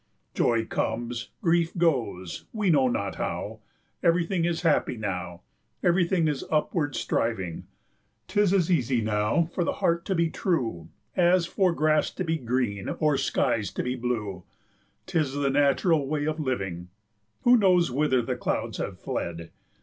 Joy comes, grief goes, we know not how; 80 Everything is happy now, Everything is upward striving; 'T is as easy now for the heart to be true As for grass to be green or skies to be blue, 'T is the natural way of living: 85 Who knows whither the clouds have fled?